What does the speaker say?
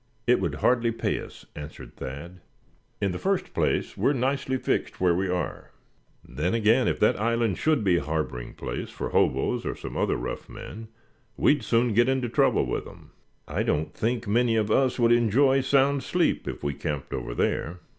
"It would hardly pay us," answered Thad. "In the first place we're nicely fixed where we are. Then again, if that island should be a harboring place for hoboes or some other rough men, we'd soon get into trouble with them. I don't think many of us would enjoy sound sleep if we camped over there.